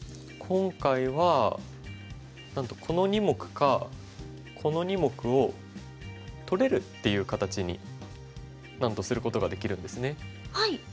今回はなんとこの２目かこの２目を取れるっていう形になんとすることができるんですね。